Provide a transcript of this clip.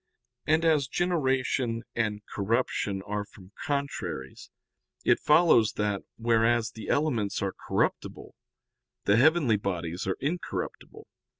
And as generation and corruption are from contraries, it follows that, whereas the elements are corruptible, the heavenly bodies are incorruptible.